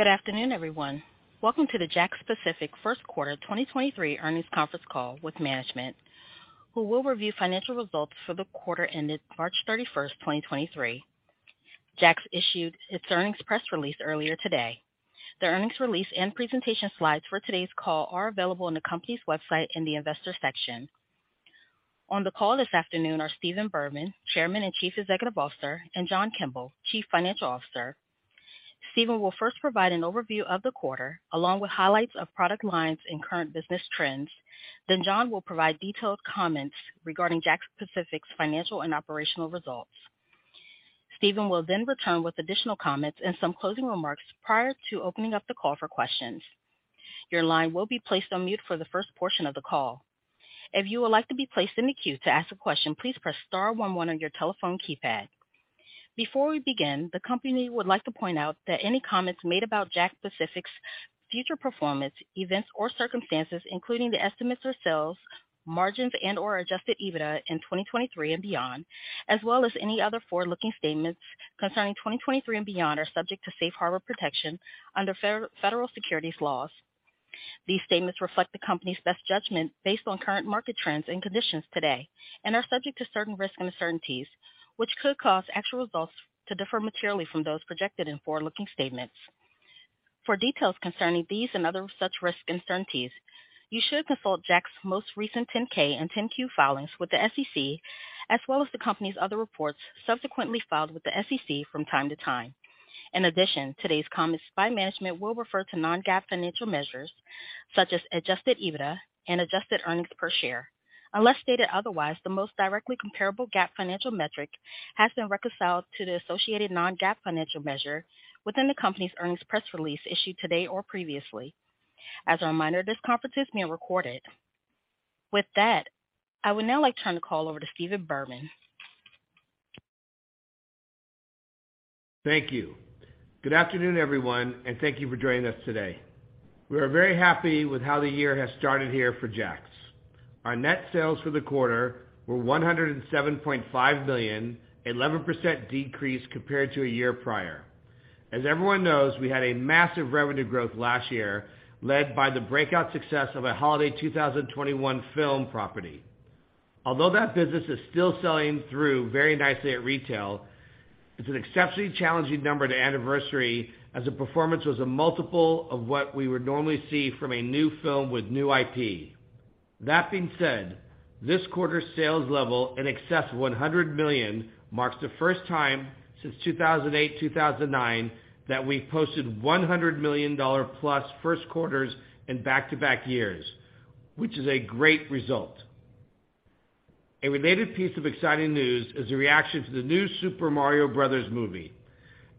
Good afternoon, everyone. Welcome to the JAKKS Pacific first quarter 2023 earnings conference call with management, who will review financial results for the quarter ended March 31st, 2023. JAKKS issued its earnings press release earlier today. The earnings release and presentation slides for today's call are available on the company's website in the Investors section. On the call this afternoon are Stephen Berman, Chairman and Chief Executive Officer, and John Kimble, Chief Financial Officer. Stephen will first provide an overview of the quarter, along with highlights of product lines and current business trends. John will provide detailed comments regarding JAKKS Pacific's financial and operational results. Stephen will return with additional comments and some closing remarks prior to opening up the call for questions. Your line will be placed on mute for the first portion of the call. If you would like to be placed in the queue to ask a question, please press star one one on your telephone keypad. Before we begin, the company would like to point out that any comments made about JAKKS Pacific's future performance, events, or circumstances, including the estimates or sales, margins, and/or adjusted EBITDA in 2023 and beyond, as well as any other forward-looking statements concerning 2023 and beyond, are subject to safe harbor protection under federal securities laws. These statements reflect the company's best judgment based on current market trends and conditions today and are subject to certain risks and uncertainties which could cause actual results to differ materially from those projected in forward-looking statements. For details concerning these and other such risks and uncertainties, you should consult JAKKS' most recent 10-K and 10-Q filings with the SEC, as well as the company's other reports subsequently filed with the SEC from time to time. In addition, today's comments by management will refer to Non-GAAP financial measures such as adjusted EBITDA and adjusted earnings per share. Unless stated otherwise, the most directly comparable GAAP financial metric has been reconciled to the associated Non-GAAP financial measure within the company's earnings press release issued today or previously. As a reminder, this conference is being recorded. With that, I would now like to turn the call over to Stephen Berman. Thank you. Good afternoon, everyone, thank you for joining us today. We are very happy with how the year has started here for JAKKS. Our net sales for the quarter were $107.5 million, 11% decrease compared to a year prior. As everyone knows, we had a massive revenue growth last year, led by the breakout success of a holiday 2021 film property. Although that business is still selling through very nicely at retail, it's an exceptionally challenging number to anniversary as the performance was a multiple of what we would normally see from a new film with new IP. That being said, this quarter's sales level in excess of $100 million marks the first time since 2008, 2009 that we've posted $100 million+ first quarters in back-to-back years, which is a great result. A related piece of exciting news is the reaction to the new Super Mario Bros. Movie.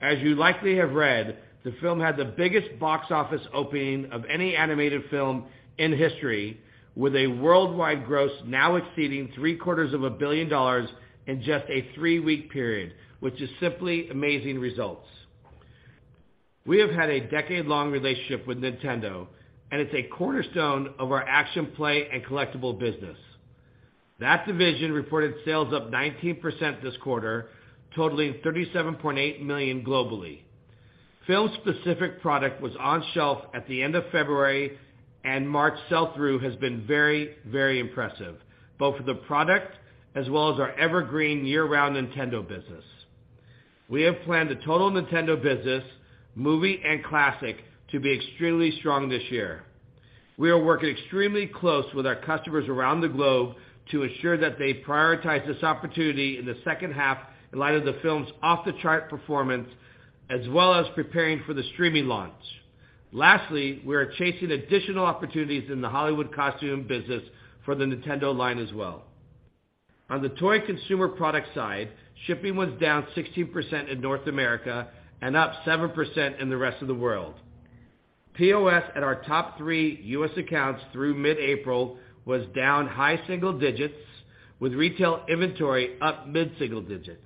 As you likely have read, the film had the biggest box office opening of any animated film in history, with a worldwide gross now exceeding three-quarters of a billion dollars in just a three-week period, which is simply amazing results. We have had a decade-long relationship with Nintendo, it's a cornerstone of our action, play, and collectible business. That division reported sales up 19% this quarter, totaling $37.8 million globally. Film-specific product was on shelf at the end of February, March sell-through has been very impressive, both for the product as well as our evergreen year-round Nintendo business. We have planned the total Nintendo business, movie and classic, to be extremely strong this year. We are working extremely close with our customers around the globe to ensure that they prioritize this opportunity in the second half in light of the film's off-the-chart performance as well as preparing for the streaming launch. Lastly, we are chasing additional opportunities in the Hollywood costume business for the Nintendo line as well. On the toy and consumer product side, shipping was down 16% in North America and up 7% in the rest of the world. POS at our top three U.S. accounts through mid-April was down high single digits, with retail inventory up mid-single digits.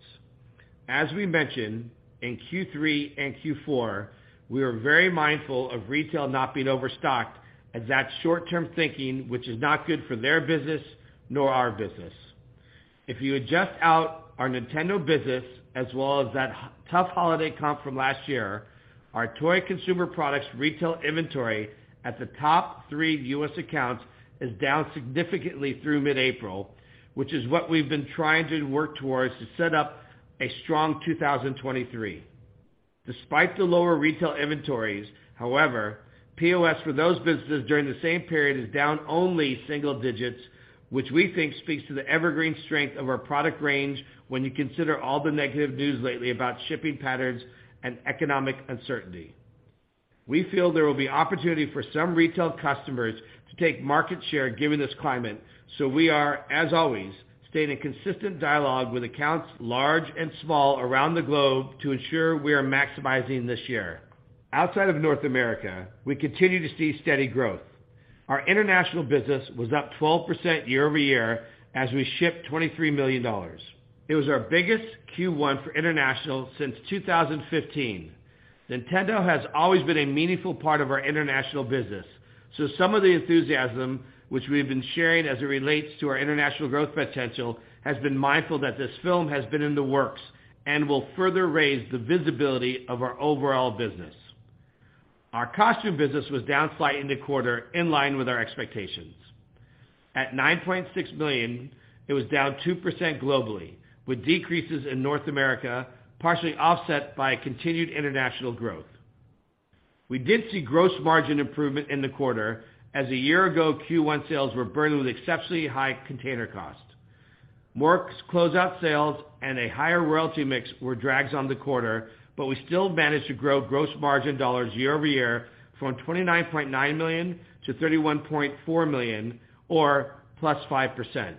As we mentioned in Q3 and Q4, we are very mindful of retail not being overstocked as that's short-term thinking, which is not good for their business nor our business. If you adjust out our Nintendo business as well as that tough holiday comp from last year, our toy consumer products retail inventory at the top three U.S. accounts is down significantly through mid-April, which is what we've been trying to work towards to set up a strong 2023. Despite the lower retail inventories, however, POS for those businesses during the same period is down only single digits, which we think speaks to the evergreen strength of our product range when you consider all the negative news lately about shipping patterns and economic uncertainty. We feel there will be opportunity for some retail customers to take market share given this climate. We are, as always, staying in consistent dialogue with accounts large and small around the globe to ensure we are maximizing this year. Outside of North America, we continue to see steady growth. Our international business was up 12% year-over-year as we shipped $23 million. It was our biggest Q1 for international since 2015. Nintendo has always been a meaningful part of our international business, some of the enthusiasm which we have been sharing as it relates to our international growth potential has been mindful that this film has been in the works and will further raise the visibility of our overall business. Our costume business was down slightly in the quarter, in line with our expectations. At $9.6 million, it was down 2% globally, with decreases in North America partially offset by continued international growth. We did see gross margin improvement in the quarter as a year ago Q1 sales were burdened with exceptionally high container costs. More closeout sales and a higher royalty mix were drags on the quarter. We still managed to grow gross margin dollars year-over-year from $29.9 million-$31.4 million or +5%.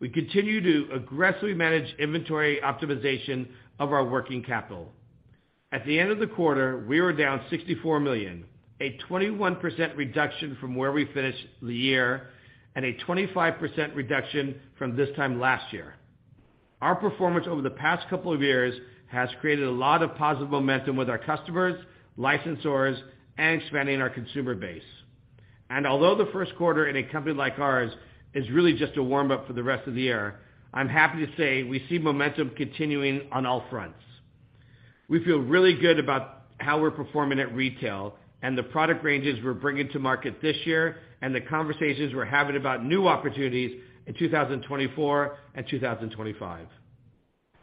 We continue to aggressively manage inventory optimization of our working capital. At the end of the quarter, we were down $64 million, a 21% reduction from where we finished the year and a 25% reduction from this time last year. Our performance over the past couple of years has created a lot of positive momentum with our customers, licensors, and expanding our consumer base. Although the first quarter in a company like ours is really just a warm-up for the rest of the year, I'm happy to say we see momentum continuing on all fronts. We feel really good about how we're performing at retail and the product ranges we're bringing to market this year and the conversations we're having about new opportunities in 2024 and 2025.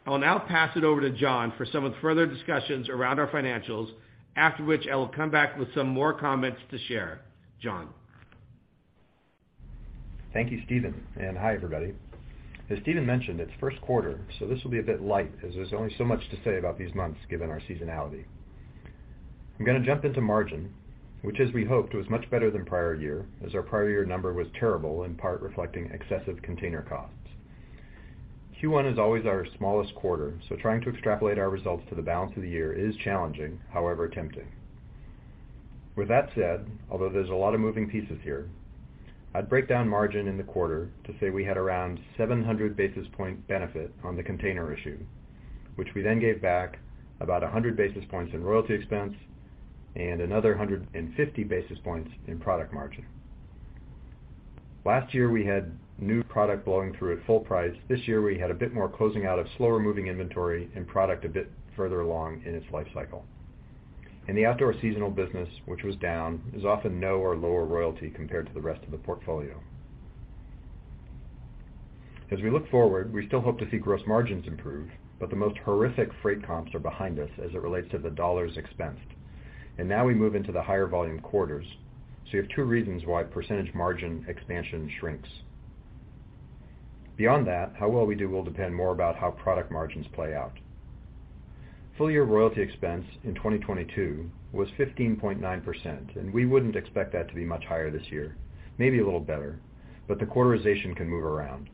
I will now pass it over to John for some further discussions around our financials, after which I will come back with some more comments to share. John. Thank you, Stephen. Hi, everybody. As Stephen mentioned, it's first quarter, this will be a bit light as there's only so much to say about these months given our seasonality. I'm gonna jump into margin, which as we hoped, was much better than prior year as our prior year number was terrible, in part reflecting excessive container costs. Q1 is always our smallest quarter, trying to extrapolate our results to the balance of the year is challenging, however tempting. With that said, although there's a lot of moving pieces here, I'd break down margin in the quarter to say we had around 700 basis point benefit on the container issue, which we then gave back about 100 basis points in royalty expense and another 150 basis points in product margin. Last year, we had new product blowing through at full price. This year, we had a bit more closing out of slower-moving inventory and product a bit further along in its life cycle. In the outdoor seasonal business, which was down, is often no or lower royalty compared to the rest of the portfolio. As we look forward, we still hope to see gross margins improve, but the most horrific freight comps are behind us as it relates to the dollars expensed. Now we move into the higher volume quarters, so you have two reasons why % margin expansion shrinks. Beyond that, how well we do will depend more about how product margins play out. Full year royalty expense in 2022 was 15.9%, and we wouldn't expect that to be much higher this year, maybe a little better, but the quarterization can move around.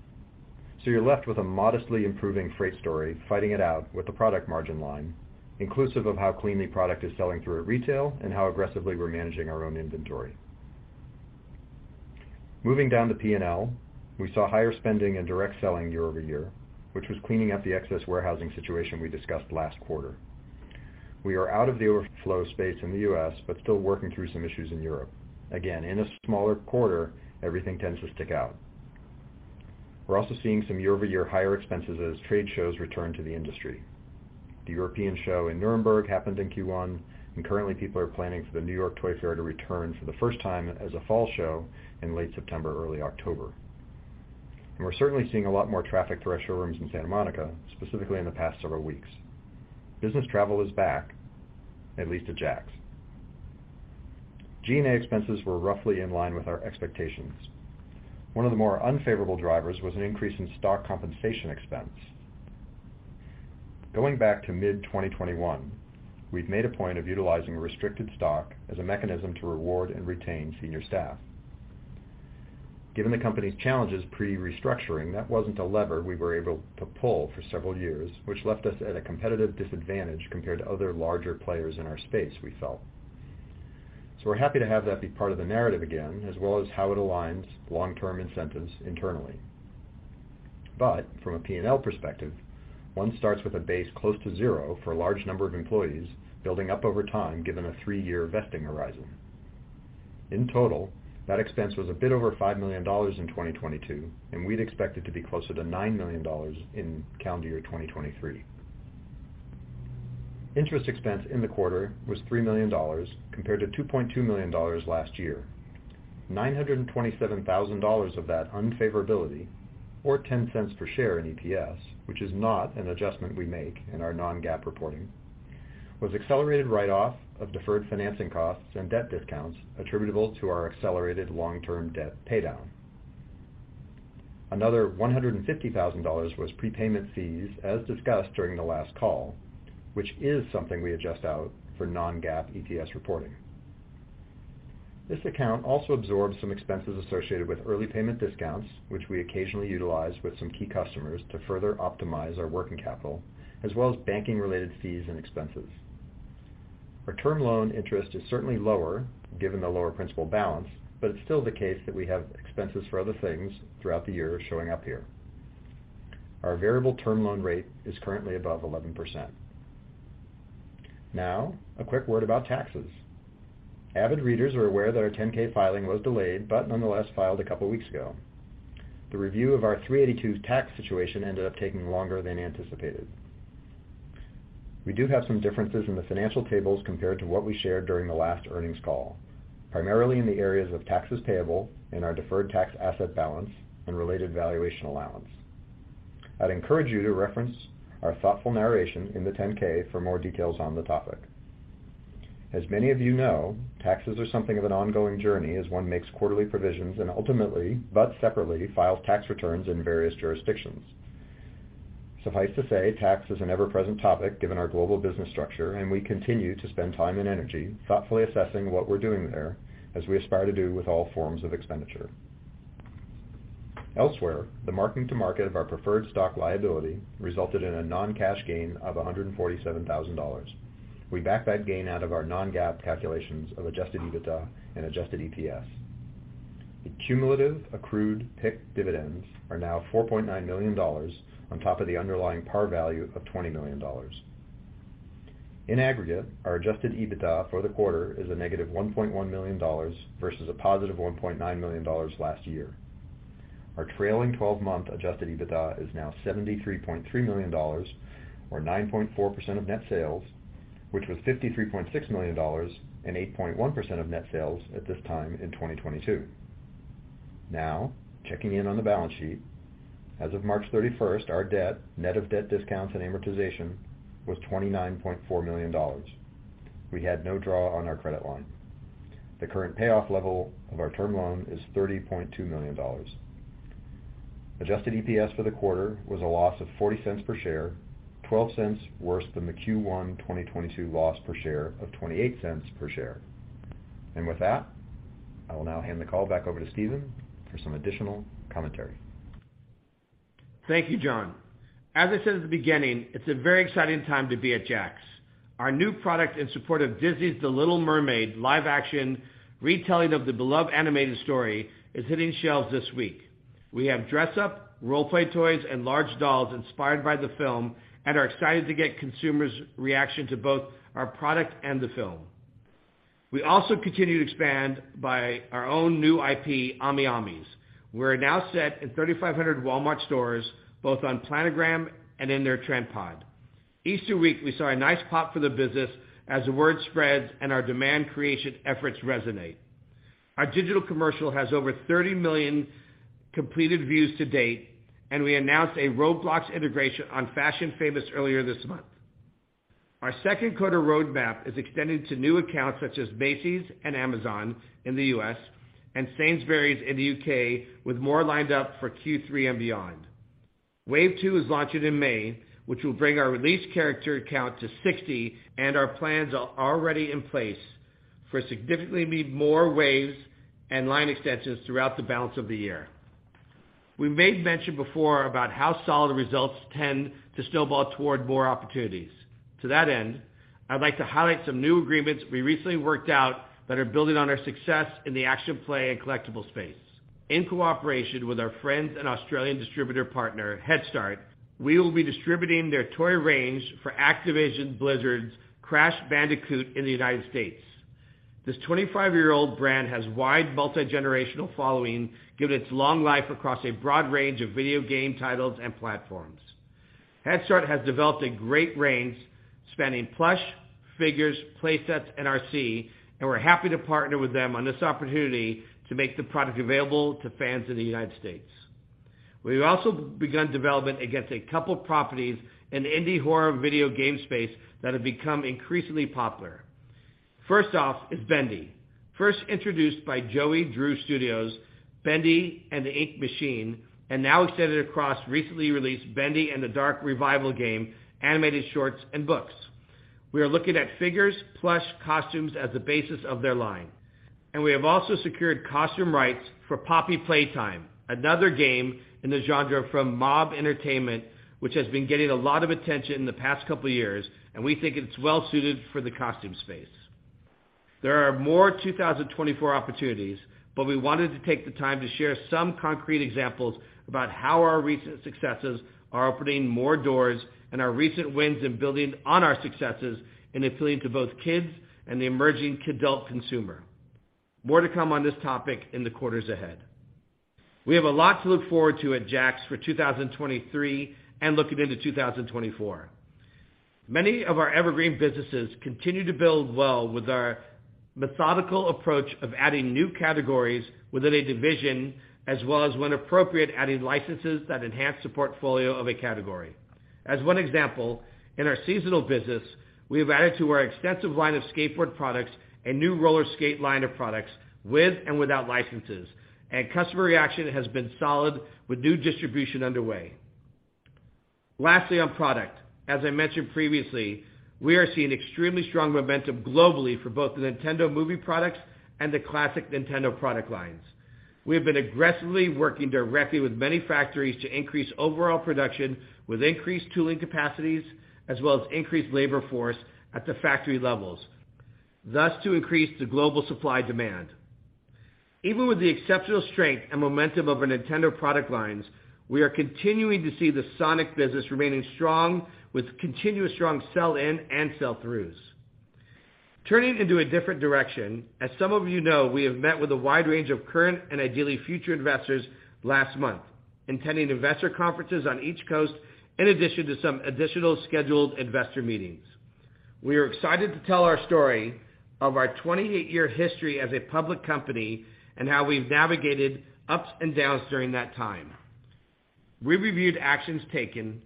You're left with a modestly improving freight story, fighting it out with the product margin line, inclusive of how cleanly product is selling through at retail and how aggressively we're managing our own inventory. Moving down to P&L, we saw higher spending and direct selling year-over-year, which was cleaning up the excess warehousing situation we discussed last quarter. We are out of the overflow space in the U.S., but still working through some issues in Europe. Again, in a smaller quarter, everything tends to stick out. We're also seeing some year-over-year higher expenses as trade shows return to the industry. The European show in Nuremberg happened in Q1, and currently people are planning for the Toy Fair New York to return for the first time as a fall show in late September, early October. We're certainly seeing a lot more traffic through our showrooms in Santa Monica, specifically in the past several weeks. Business travel is back, at least to JAKKS. G&A expenses were roughly in line with our expectations. One of the more unfavorable drivers was an increase in stock compensation expense. Going back to mid 2021, we've made a point of utilizing restricted stock as a mechanism to reward and retain senior staff. Given the company's challenges pre-restructuring, that wasn't a lever we were able to pull for several years, which left us at a competitive disadvantage compared to other larger players in our space, we felt. We're happy to have that be part of the narrative again, as well as how it aligns long-term incentives internally. From a P&L perspective, one starts with a base close to 0 for a large number of employees building up over time, given a 3-year vesting horizon. In total, that expense was a bit over $5 million in 2022, and we'd expect it to be closer to $9 million in calendar year 2023. Interest expense in the quarter was $3 million compared to $2.2 million last year. $927,000 of that unfavorability, or $0.10 per share in EPS, which is not an adjustment we make in our Non-GAAP reporting, was accelerated write-off of deferred financing costs and debt discounts attributable to our accelerated long-term debt paydown. Another $150,000 was prepayment fees, as discussed during the last call, which is something we adjust out for Non-GAAP EPS reporting. This account also absorbs some expenses associated with early payment discounts, which we occasionally utilize with some key customers to further optimize our working capital, as well as banking-related fees and expenses. Our term loan interest is certainly lower given the lower principal balance, it's still the case that we have expenses for other things throughout the year showing up here. Our variable term loan rate is currently above 11%. A quick word about taxes. Avid readers are aware that our 10-K filing was delayed, nonetheless filed a couple weeks ago. The review of our 382 tax situation ended up taking longer than anticipated. We do have some differences in the financial tables compared to what we shared during the last earnings call, primarily in the areas of taxes payable and our deferred tax asset balance and related valuation allowance. I'd encourage you to reference our thoughtful narration in the 10-K for more details on the topic. As many of you know, taxes are something of an ongoing journey as one makes quarterly provisions and ultimately, but separately, files tax returns in various jurisdictions. Suffice to say, tax is an ever-present topic given our global business structure, and we continue to spend time and energy thoughtfully assessing what we're doing there, as we aspire to do with all forms of expenditure. Elsewhere, the marking to market of our preferred stock liability resulted in a non-cash gain of $147,000. We backed that gain out of our Non-GAAP calculations of adjusted EBITDA and adjusted EPS. The cumulative accrued PIK dividends are now $4.9 million on top of the underlying par value of $20 million. In aggregate, our adjusted EBITDA for the quarter is -$1.1 million versus $1.9 million last year. Our trailing twelve-month adjusted EBITDA is now $73.3 million or 9.4% of net sales, which was $53.6 million and 8.1% of net sales at this time in 2022. Checking in on the balance sheet. As of March 31st, our debt, net of debt discounts and amortization, was $29.4 million. We had no draw on our credit line. The current payoff level of our term loan is $30.2 million. Adjusted EPS for the quarter was a loss of $0.40 per share, $0.12 worse than the Q1 2022 loss per share of $0.28 per share. With that, I will now hand the call back over to Stephen for some additional commentary. Thank you, John. As I said at the beginning, it's a very exciting time to be at JAKKS. Our new product in support of Disney's The Little Mermaid live-action retelling of the beloved animated story is hitting shelves this week. We have dress-up, role play toys, and large dolls inspired by the film and are excited to get consumers' reaction to both our product and the film. We also continue to expand by our own new IP, AmiAmis. We're now set in 3,500 Walmart stores, both on planogram and in their trend pod. Easter week, we saw a nice pop for the business as the word spreads and our demand creation efforts resonate. Our digital commercial has over 30 million completed views to date. We announced a Roblox integration on Fashion Famous earlier this month. Our second quarter roadmap is extending to new accounts such as Macy's and Amazon in the U.S. and Sainsbury's in the U.K., with more lined up for Q3 and beyond. Wave two is launching in May, which will bring our released character count to 60, and our plans are already in place for significantly more waves and line extensions throughout the balance of the year. We made mention before about how solid results tend to snowball toward more opportunities. To that end, I'd like to highlight some new agreements we recently worked out that are building on our success in the action play and collectibles space. In cooperation with our friends and Australian distributor partner, Headstart, we will be distributing their toy range for Activision Blizzard's Crash Bandicoot in the United States. This 25-year-old brand has wide multi-generational following, given its long life across a broad range of video game titles and platforms. Headstart has developed a great range spanning plush, figures, play sets, and RC, and we're happy to partner with them on this opportunity to make the product available to fans in the United States. We've also begun development against a couple of properties in the indie horror video game space that have become increasingly popular. First off is Bendy. First introduced by Joey Drew Studios, Bendy and the Ink Machine, and now extended across recently released Bendy and the Dark Revival game, animated shorts and books. We are looking at figures, plush, costumes as the basis of their line. We have also secured costume rights for Poppy Playtime, another game in the genre from Mob Entertainment, which has been getting a lot of attention in the past couple of years, and we think it's well suited for the costume space. There are more 2024 opportunities. We wanted to take the time to share some concrete examples about how our recent successes are opening more doors and our recent wins in building on our successes in appealing to both kids and the emerging kidult consumer. More to come on this topic in the quarters ahead. We have a lot to look forward to at JAKKS for 2023 and looking into 2024. Many of our evergreen businesses continue to build well with our methodical approach of adding new categories within a division, as well as when appropriate, adding licenses that enhance the portfolio of a category. As one example, in our seasonal business, we have added to our extensive line of skateboard products a new roller skate line of products with and without licenses, and customer reaction has been solid with new distribution underway. On product. As I mentioned previously, we are seeing extremely strong momentum globally for both the Nintendo movie products and the classic Nintendo product lines. We have been aggressively working directly with many factories to increase overall production with increased tooling capacities as well as increased labor force at the factory levels, thus to increase the global supply demand. Even with the exceptional strength and momentum of our Nintendo product lines, we are continuing to see the Sonic business remaining strong with continuous strong sell-in and sell-throughs. Turning into a different direction. As some of you know, we have met with a wide range of current and ideally future investors last month, attending investor conferences on each coast in addition to some additional scheduled investor meetings. We are excited to tell our story of our 28-year history as a public company and how we've navigated ups and downs during that time. We reviewed actions taken,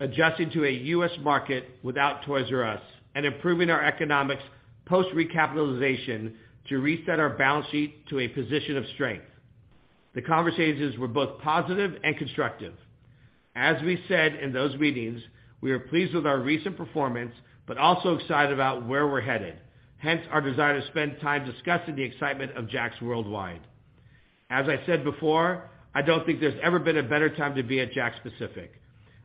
adjusting to a U.S. market without Toys R Us and improving our economics post-recapitalization to reset our balance sheet to a position of strength. The conversations were both positive and constructive. As we said in those meetings, we are pleased with our recent performance but also excited about where we're headed, hence our desire to spend time discussing the excitement of JAKKS Worldwide. As I said before, I don't think there's ever been a better time to be at JAKKS Pacific.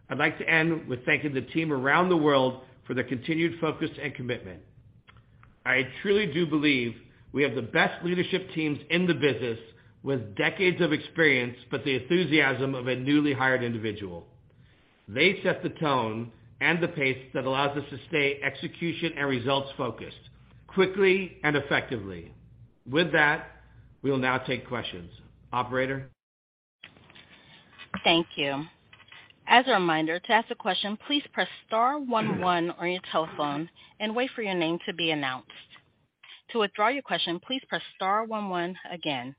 I'd like to end with thanking the team around the world for their continued focus and commitment. I truly do believe we have the best leadership teams in the business with decades of experience, but the enthusiasm of a newly hired individual. They set the tone and the pace that allows us to stay execution and results-focused quickly and effectively. With that, we will now take questions. Operator? Thank you. As a reminder, to ask a question, please press star one one on your telephone and wait for your name to be announced. To withdraw your question, please press star one one again.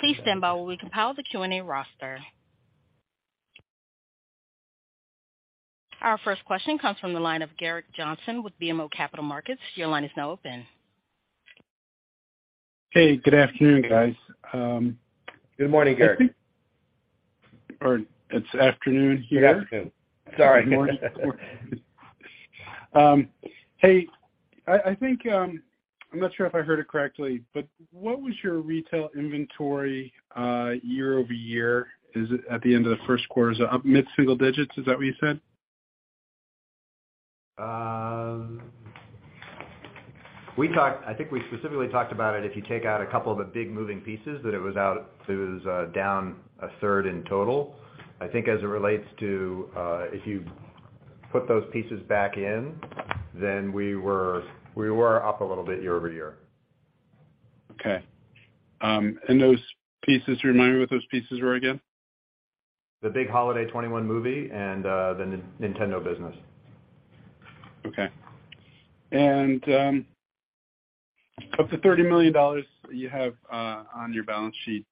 Please stand by while we compile the Q&A roster. Our first question comes from the line of Gerrick Johnson with BMO Capital Markets. Your line is now open. Hey, good afternoon, guys. Good morning, Garrett. It's afternoon here. Good afternoon. Sorry. Hey, I think, I'm not sure if I heard it correctly, but what was your retail inventory, year-over-year? Is it at the end of the first quarter, is it up mid-single digits? Is that what you said? I think we specifically talked about it. If you take out a couple of the big moving pieces that it was out, it was down a third in total. I think as it relates to, if you put those pieces back in, we were up a little bit year-over-year. Okay. Those pieces, remind me what those pieces were again? The big Holiday 2021 movie and the Nintendo business. Okay. Up to $30 million you have on your balance sheet.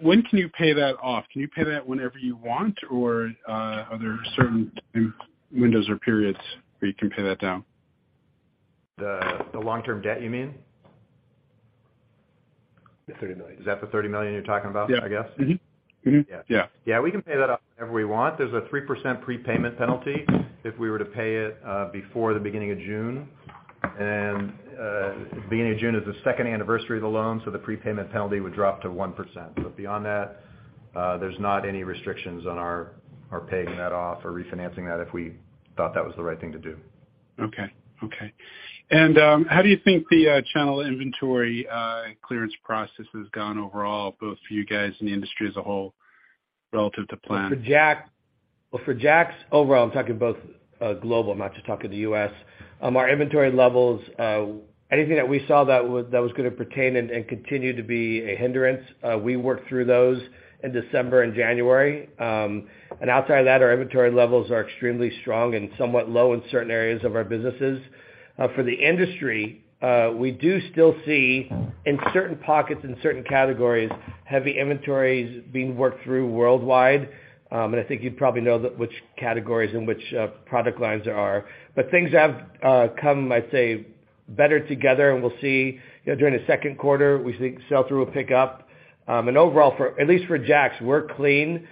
When can you pay that off? Can you pay that whenever you want? Or, are there certain time windows or periods where you can pay that down? The long-term debt, you mean? The $30 million. Is that the $30 million you're talking about, I guess? Yeah. Mm-hmm. Mm-hmm. Yeah. Yeah, we can pay that off whenever we want. There's a 3% prepayment penalty if we were to pay it before the beginning of June. Beginning of June is the second anniversary of the loan, so the prepayment penalty would drop to 1%. Beyond that, there's not any restrictions on our paying that off or refinancing that if we thought that was the right thing to do. Okay. Okay. How do you think the channel inventory clearance process has gone overall, both for you guys and the industry as a whole relative to plan? Well, for JAKKS overall, I'm talking both, global, I'm not just talking the U.S. Our inventory levels, anything that we saw that was, that was gonna pertain and continue to be a hindrance, we worked through those in December and January. Outside of that, our inventory levels are extremely strong and somewhat low in certain areas of our businesses. For the industry, we do still see in certain pockets and certain categories, heavy inventories being worked through worldwide. I think you probably know which categories and which product lines there are. Things have come, I'd say, better together, we'll see. You know, during the second quarter, we think sell-through will pick up. Overall, at least for JAKKS, we're clean.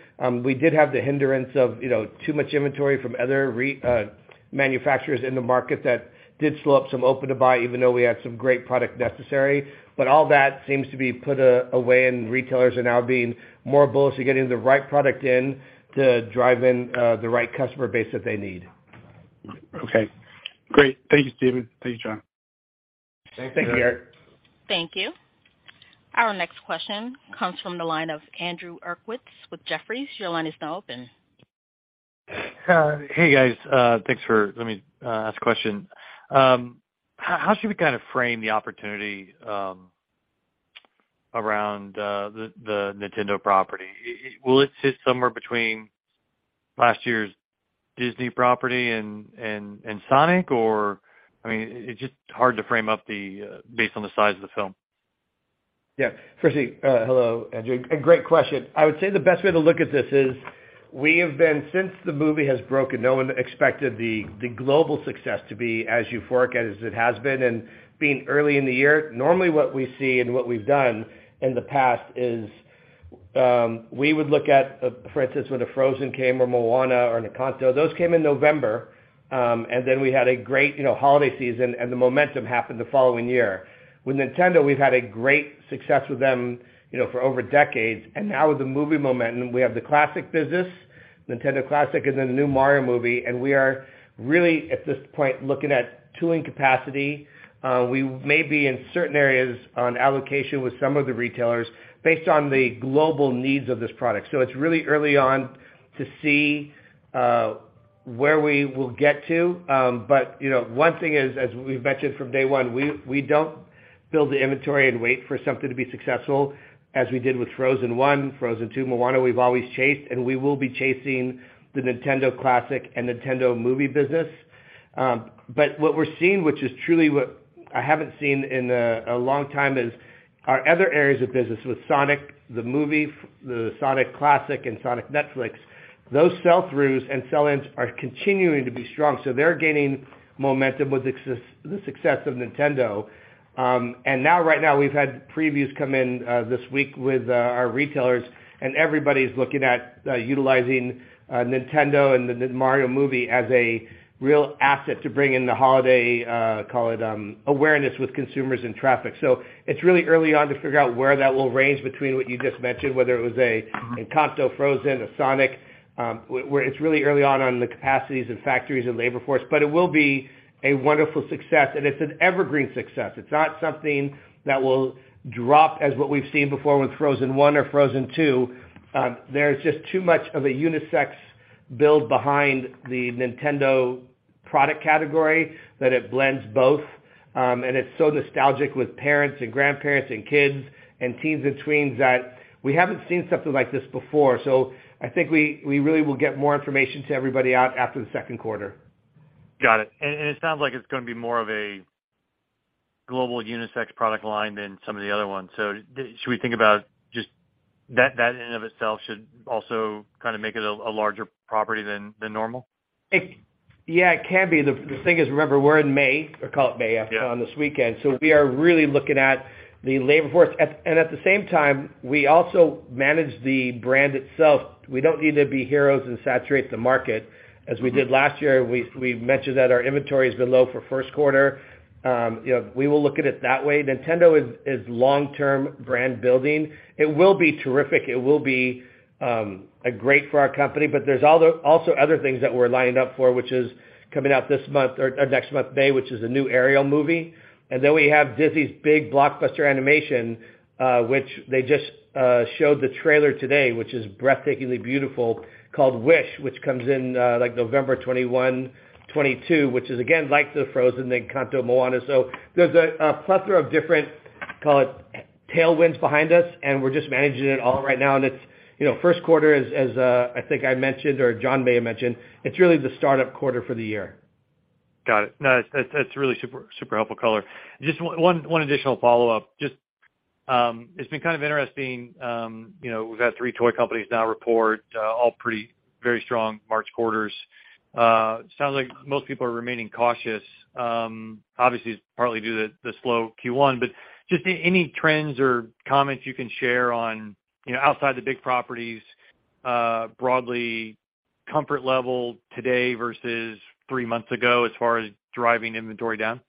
We did have the hindrance of, you know, too much inventory from other manufacturers in the market that did slow up some open-to-buy even though we had some great product necessary. All that seems to be put away, and retailers are now being more bullish in getting the right product in to drive in the right customer base that they need. Okay. Great. Thank you, Stephen. Thank you, John. Thanks, Garrett. Thank you. Our next question comes from the line of Andrew Uerkwitz with Jefferies. Your line is now open. Hey, guys. Thanks for letting me ask a question. How should we kind of frame the opportunity around the Nintendo property? Will it sit somewhere between last year's Disney property and Sonic or... I mean, it's just hard to frame up the based on the size of the film. Yeah. Firstly, hello, Andrew, great question. I would say the best way to look at this is since the movie has broken, no one expected the global success to be as euphoric as it has been. Being early in the year, normally what we see and what we've done in the past is we would look at, for instance, when a Frozen came or Moana or Encanto, those came in November. We had a great, you know, holiday season. The momentum happened the following year. With Nintendo, we've had a great success with them, you know, for over decades. Now with the movie momentum, we have the Classic business, Nintendo Classic, the new Mario movie. We are really at this point looking at tooling capacity. We may be in certain areas on allocation with some of the retailers based on the global needs of this product. It's really early on to see where we will get to. You know, one thing is, as we've mentioned from day one, we don't build the inventory and wait for something to be successful as we did with Frozen I, Frozen II, Moana, we've always chased, and we will be chasing the Nintendo Classic and Nintendo movie business. What we're seeing, which is truly what I haven't seen in a long time, is our other areas of business with Sonic, the movie, the Sonic Classic and Sonic Prime, those sell-throughs and sell-ins are continuing to be strong, so they're gaining momentum with the success of Nintendo. Now right now, we've had previews come in this week with our retailers, and everybody's looking at utilizing Nintendo and the Mario movie as a real asset to bring in the holiday, call it, awareness with consumers and traffic. It's really early on to figure out where that will range between what you just mentioned, whether it was a Encanto, Frozen, a Sonic, where it's really early on on the capacities and factories and labor force. It will be a wonderful success, and it's an evergreen success. It's not something that will drop as what we've seen before with Frozen I or Frozen II. There's just too much of a unisex build behind the Nintendo product category that it blends both. It's so nostalgic with parents and grandparents and kids and teens and tweens that we haven't seen something like this before. I think we really will get more information to everybody out after the second quarter. Got it. It sounds like it's gonna be more of a global unisex product line than some of the other ones. Should we think about just that in and of itself should also kinda make it a larger property than normal? Yeah, it can be. The thing is, remember, we're in May, or call it May after... Yeah. On this weekend, we are really looking at the labor force. At the same time, we also manage the brand itself. We don't need to be heroes and saturate the market as we did last year. We mentioned that our inventory has been low for first quarter. You know, we will look at it that way. Nintendo is long-term brand building. It will be terrific. It will be a great for our company. There's also other things that we're lining up for, which is coming out this month or next month, May, which is a new Ariel movie. We have Disney's big blockbuster animation, which they just showed the trailer today, which is breathtakingly beautiful, called Wish, which comes in, like November of 2021, 2022, which is again, like the Frozen, Encanto, Moana. There's a plethora of different, call it, tailwinds behind us, and we're just managing it all right now, and it's, you know, first quarter as I think I mentioned or John Kimble mentioned, it's really the startup quarter for the year. Got it. No, that's really super helpful color. Just one additional follow-up. Just, it's been kind of interesting, you know, we've had three toy companies now report, all pretty, very strong March quarters. Sounds like most people are remaining cautious, obviously partly due to the slow Q1. Just any trends or comments you can share on, you know, outside the big properties, broadly comfort level today versus three months ago as far as driving inventory down?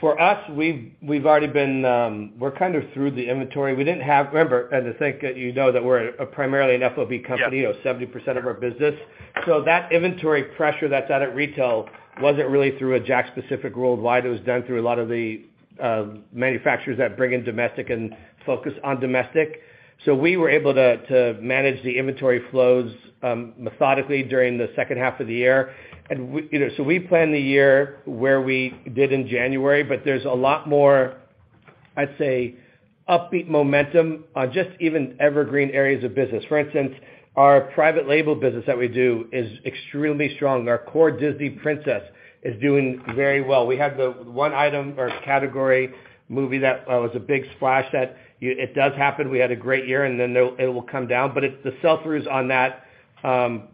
For us, we're kind of through the inventory. Remember, I think that you know that we're a primarily an FOB company. Yeah. -or 70% of our business. That inventory pressure that's out at retail wasn't really through a JAKKS Pacific worldwide. It was done through a lot of the manufacturers that bring in domestic and focus on domestic. We were able to manage the inventory flows methodically during the second half of the year. We, you know, we plan the year where we did in January, but there's a lot more, I'd say, upbeat momentum on just even evergreen areas of business. For instance, our private label business that we do is extremely strong. Our core Disney Princess is doing very well. We have the one item or category movie that was a big splash that it does happen. We had a great year, and then it will come down. It's the sell-throughs on that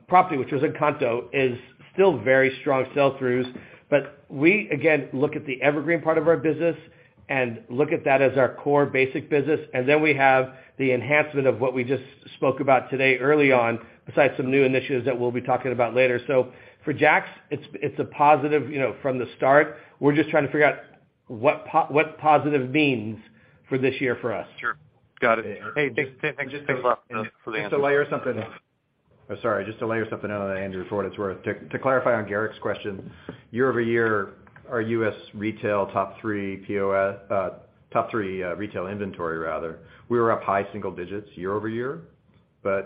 property, which was Encanto, is still very strong sell-throughs. We, again, look at the evergreen part of our business and look at that as our core basic business, and then we have the enhancement of what we just spoke about today early on, besides some new initiatives that we'll be talking about later. For JAKKS, it's a positive, you know, from the start. We're just trying to figure out what positive means for this year for us. Sure. Got it. Hey, just thanks a lot. Just to layer something. Sorry, just to layer something on that, Andrew, for what it's worth. To clarify on Garrick's question, year-over-year, our U.S. retail top three POS, top three retail inventory rather, we were up high single digits year-over-year.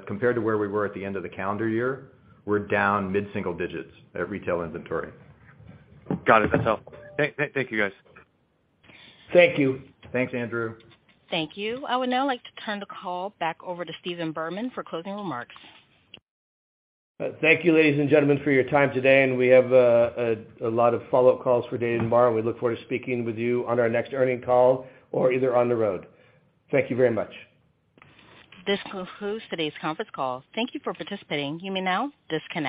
Compared to where we were at the end of the calendar year, we're down mid-single digits at retail inventory. Got it. That's helpful. Thank you, guys. Thank you. Thanks, Andrew. Thank you. I would now like to turn the call back over to Stephen Berman for closing remarks. Thank you ladies and gentlemen for your time today, and we have a lot of follow-up calls for today and tomorrow. We look forward to speaking with you on our next earnings call or either on the road. Thank you very much. This concludes today's conference call. Thank you for participating. You may now disconnect.